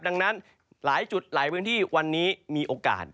ดังนั้นหลายจุดหลายพื้นที่วันนี้มีโอกาส